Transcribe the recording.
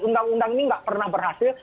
undang undang ini nggak pernah berhasil